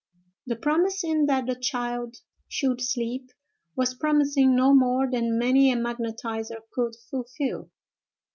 The promising that the child should sleep, was promising no more than many a magnetiser could fulfil.